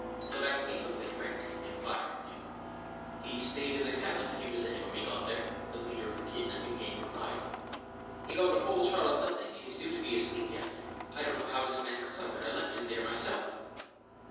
Slavatsky looked at Frink inquiringly. "He stayed in the cabin if he was in it when we got there," the leader of the kidnapping gang replied. "He got a full shot of lethane and he's due to be asleep yet. I don't know how this man recovered. I left him there myself."